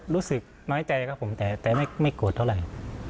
รู้สึกน้อยใจครับผมแต่ไม่โกรธเท่าไหร่